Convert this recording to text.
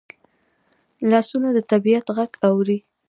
لاسونه د طبیعت غږ اوري